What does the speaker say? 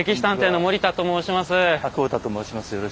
久保田と申します。